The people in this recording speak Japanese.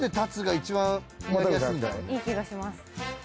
いい気がします。